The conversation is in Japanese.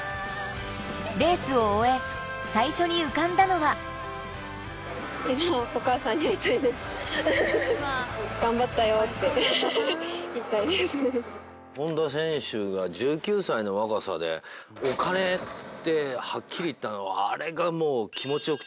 レースを終え最初に浮かんだのは本多選手が１９歳の若さで。ってはっきり言ったのあれがもう。